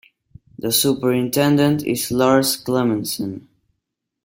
The superintendent is Lars Clemensen.